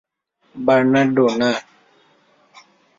Bernardo, না!